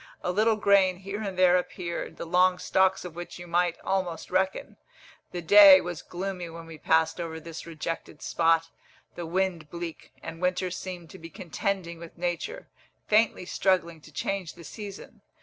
A little grain here and there appeared, the long stalks of which you might almost reckon. The day was gloomy when we passed over this rejected spot, the wind bleak, and winter seemed to be contending with nature, faintly struggling to change the season.